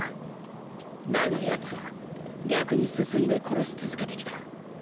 だがやつは逆に進んで殺し続けてきた。